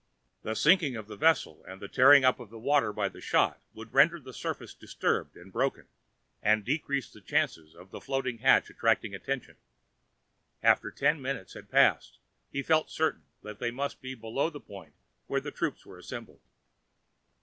The sinking of the vessel, and the tearing up of the water by the shot, would render the surface disturbed and broken, and decrease the chances of the floating hatch attracting attention. After ten minutes had passed he felt certain that they must be below the point where the troops were assembled.